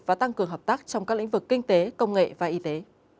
và tăng cường hợp tác trong các lĩnh vực kinh tế công nghệ và y tế